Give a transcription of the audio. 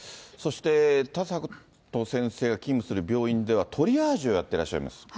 そして田里先生が勤務する病院ではトリアージをやっていらっしゃいます。